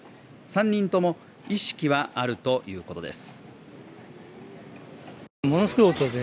３人とも意識あるということです。